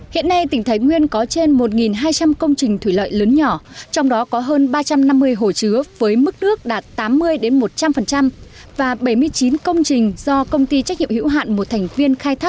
hiện nay tỉnh thái nguyên có trên một hai trăm linh công trình thủy lợi lớn nhỏ trong đó có hơn ba trăm năm mươi hồ chứa với mức nước đạt tám mươi một trăm linh và bảy mươi chín công trình do công ty trách nhiệm hữu hạn một thành viên